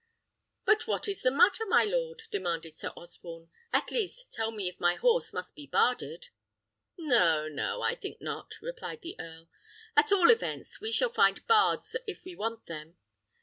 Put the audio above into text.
"But what is the matter, my lord?" demanded Sir Osborne; "at least, tell me if my horse must be barded." "No, no; I think not," replied the earl; "at all events, we shall find bards, if we want them.